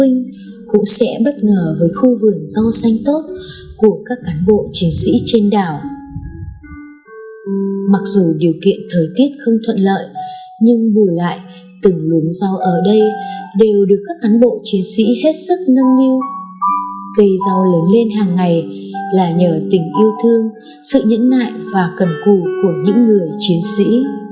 nhưng vùi lại từng lúng rau ở đây đều được các cán bộ chiến sĩ hết sức nâng niu cây rau lớn lên hàng ngày là nhờ tình yêu thương sự nhẫn nại và cần củ của những người chiến sĩ